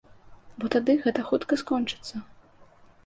Бо тады гэта хутка скончыцца.